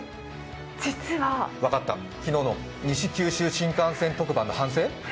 分かった、昨日の西九州新幹線特番の反省？